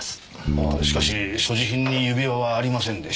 ああしかし所持品に指輪はありませんでした。